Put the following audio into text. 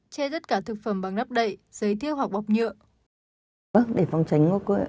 che tất cả thực phẩm bằng nắp đậy giấy tiêu hoặc bọc nhựa